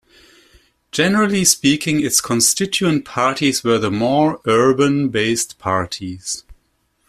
Generally speaking its constituent parties were the more urban based parties.